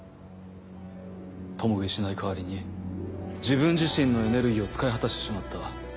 共食いしない代わりに自分自身のエネルギーを使い果たしてしまった。